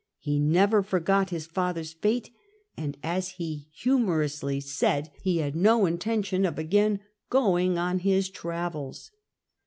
He never forgot his father's fate, and, as he humorously said, he had no intention of again c going on his travels.